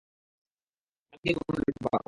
কালকেই রওনা দিতে পারব।